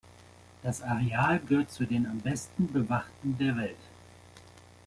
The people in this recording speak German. Das Areal gehört zu den am besten bewachten der Welt.